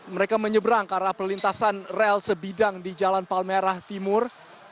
mereka menyeberang ke arah perlintasan rel sebidang di jalan palmerah timur